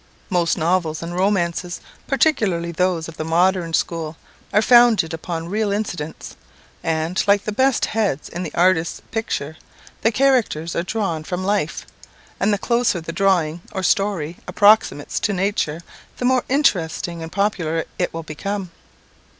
Most novels and romances, particularly those of the modern school, are founded upon real incidents, and, like the best heads in the artist's picture, the characters are drawn from life; and the closer the drawing or story approximates to nature, the more interesting and popular will it become.